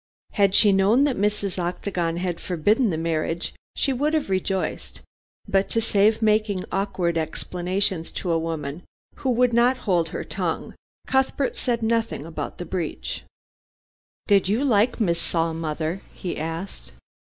Had she known that Mrs. Octagon had forbidden the marriage she would have rejoiced, but to save making awkward explanations to a woman who would not hold her tongue, Cuthbert said nothing about the breach. "Did you like Miss Saul, mother?" he asked.